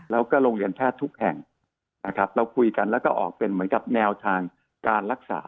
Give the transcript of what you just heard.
แล้วก็โรงเรียนแพทย์ทุกแห่งนะครับเราคุยกันแล้วก็ออกเป็นเหมือนกับแนวทางการรักษา